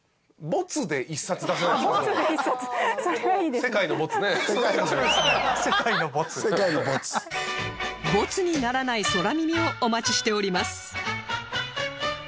ボツにならない空耳をお待ちしております